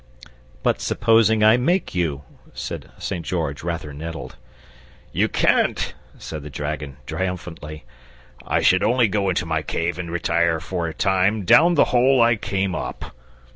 "But supposing I make you?" said St. George, rather nettled. "You can't," said the dragon, triumphantly. "I should only go into my cave and retire for a time down the hole I came up.